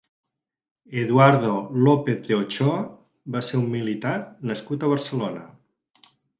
Eduardo López de Ochoa va ser un militar nascut a Barcelona.